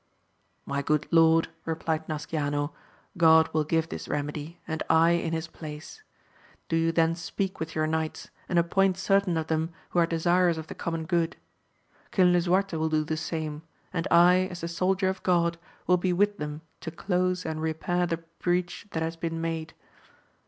My good lord, replied Nasciano, God will give this remedy, and I in his place; do you then speak with your knights, and appoint certain of them who are desirous of the common good ; King Lisuarte will do the same ; and I, as the soldier of God, will be with them to close and repair the breach that has been made.